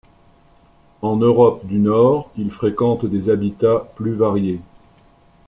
En Europe du Nord, il fréquente des habitats plus variés.